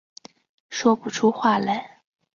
说不出话来